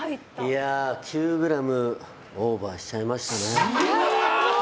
９ｇオーバーしちゃいましたね。